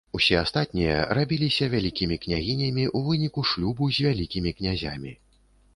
Усе астатнія рабіліся вялікімі княгінямі ў выніку шлюбу з вялікімі князямі.